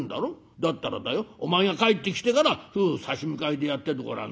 だったらだよお前が帰ってきてから夫婦差し向かいでやっててごらん。